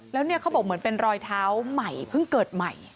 แล้วเนี่ยเขาบอกเหมือนเป็นรอยเท้าใหม่เพิ่งเกิดใหม่